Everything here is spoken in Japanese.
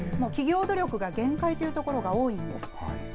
企業努力が限界というところが多いんです。